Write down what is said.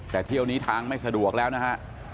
แต่เที่ยวนี้ทางไม่สะดวกแล้วนะฮะ